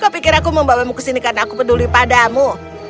aku pikir aku membawamu ke sini karena aku peduli padamu